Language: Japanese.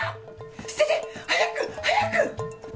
捨てて早く早く。